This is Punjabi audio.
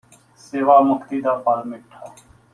ਸੇਵਾ ਮੁਕਤੀ ਦਾ ਫੱਲ ਮਿੱਠਾ